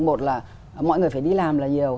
một là mọi người phải đi làm là nhiều